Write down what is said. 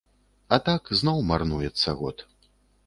А так, зноў марнуецца год.